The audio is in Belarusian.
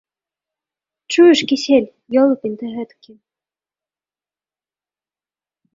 Чуеш, Кісель? Ёлупень ты гэтакі…